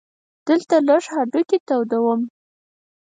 دلته لږ هډوکي تودوم.